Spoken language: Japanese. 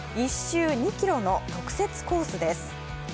１周２ｋｍの特設コースです。